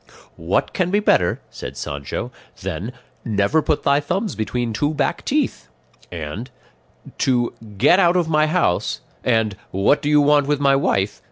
"What can be better," said Sancho, "than 'never put thy thumbs between two back teeth;' and 'to "get out of my house" and "what do you want with my wife?"